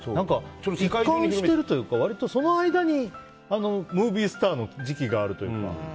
一貫しているというかその間にムービースターの時期があるというか。